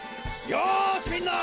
よしみんな！